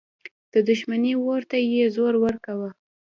د دښمني اور ته یې زور ورکاوه.